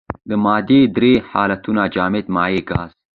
د مادې درې حالتونه جامد مايع ګاز.